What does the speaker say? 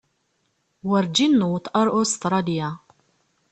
Werǧin newweḍ ar Ustṛalya.